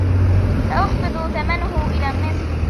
سأخفض ثمنه إلى النصف.